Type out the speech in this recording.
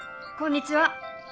こんにちは！